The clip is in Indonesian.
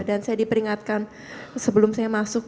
saya diperingatkan sebelum saya masuk